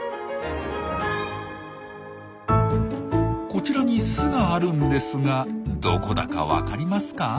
こちらに巣があるんですがどこだか分かりますか？